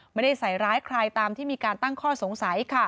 ไม่ได้ใส่ร้ายใครตามที่มีการตั้งข้อสงสัยค่ะ